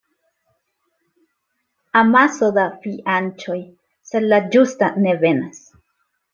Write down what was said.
Amaso da fianĉoj, sed la ĝusta ne venas.